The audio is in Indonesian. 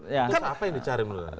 itu apa yang dicari